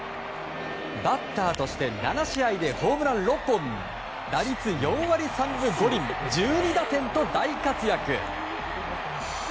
バッターとして７試合でホームラン６本打率４割３分５厘１２打点と大活躍。